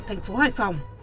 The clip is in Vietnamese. thành phố hải phòng